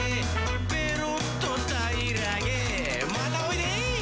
「ペロっとたいらげまたおいで」